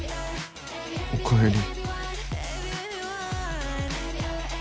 おかえり。